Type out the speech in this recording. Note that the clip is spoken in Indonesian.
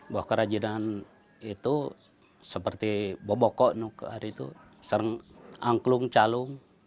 bahwa kerajinan itu seperti bobokok hari itu sering angklung calung